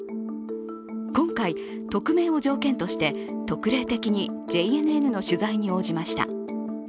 今回、匿名を条件として、特例的にＪＮＮの取材に応じました。